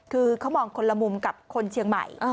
คือเขามองคนละมุมกับคนเชียงใหม่